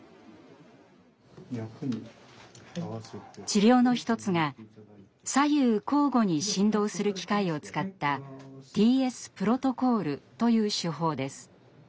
治療の一つが左右交互に振動する機械を使ったＴＳプロトコールという手法です。